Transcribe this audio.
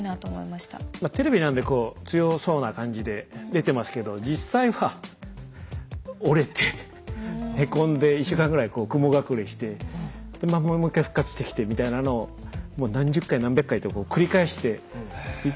テレビなんで強そうな感じで出てますけど実際は折れてへこんで１週間ぐらい雲隠れしてもう１回復活してきてみたいなのをもう何十回何百回と繰り返していて。